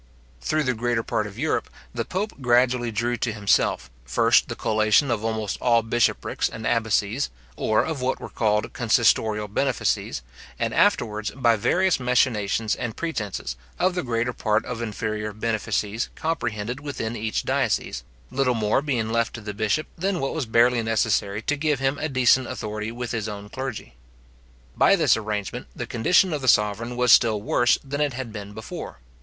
Through the greater part of Europe, the pope gradually drew to himself, first the collation of almost all bishoprics and abbacies, or of what were called consistorial benefices, and afterwards, by various machinations and pretences, of the greater part of inferior benefices comprehended within each diocese, little more being left to the bishop than what was barely necessary to give him a decent authority with his own clergy. By this arrangement the condition of the sovereign was still worse than it had been before.